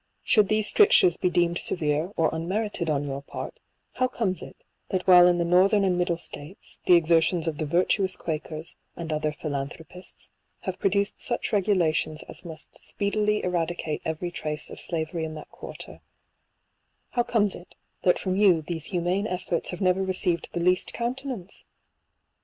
z 178 Should these strictures be deemed severe, or unme rited on your part, how comes it, that while in the northern and middle states, the exertions of the virtu ous quakers, and other philanthropists, have produced such regulations as must speedily eradicate every trace of slavery in that quarter, — how comes it, that from you these humane efforts have never received the least countenance